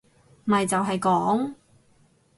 咪就係講